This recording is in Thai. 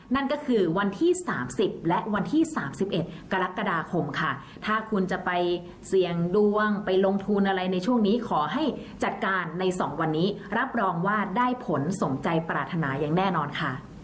นั่นก็คือวันที่๓๐และวันที่๓๑กรกฎาคมค่ะถ้าคุณจะไปเสี่ยงดวงไปลงทุนอะไรในช่วงนี้ขอให้จัดการใน๒วันนี้รับรองว่าได้ผลสมใจปรารถนาอย่างแน่นอนค่ะ